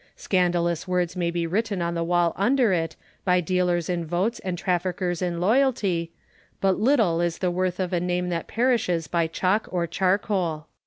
Scandalous words may be written on the wall under it, by dealers in votes and traffickers in loyalty : but little is the worth of a name that perishes by chalk or charcoal.